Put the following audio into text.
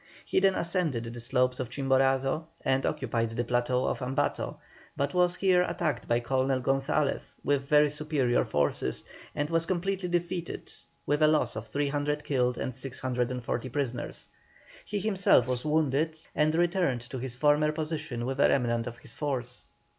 He then ascended the slopes of Chimborazo and occupied the plateau of Ambato, but was here attacked by Colonel Gonzalez with very superior forces, and was completely defeated, with a loss of 300 killed and 640 prisoners. He himself was wounded, and returned to his former position with a remnant of his force.